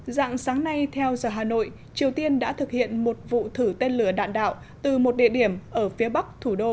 dạng sáng nay theo giờ hà nội triều tiên đã thực hiện một vụ thử tên lửa đạn đạo từ một địa điểm ở phía bắc thủ đô